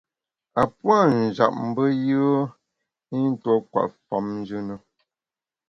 A puâ’ njap mbe yùe i ntuo kwet famnjù na.